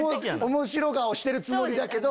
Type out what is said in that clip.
面白顔してるつもりだけど。